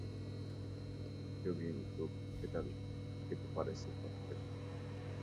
La patria así se forma termópilas brotando;